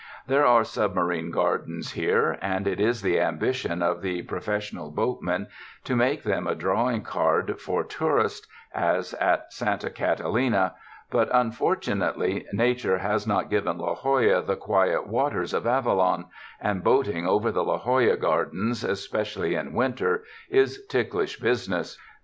There are submarine gardens here, and it is the ambition of the profes sional boatmen to make them a drawing card for tourists, as at Santa Catalina, but unfortunately na 206 TOURIST TOWNS ture has not given La Jolla the quiet waters of Avalon, and boating over the La Jolla gardens, es pecially in winter, is ticklish business.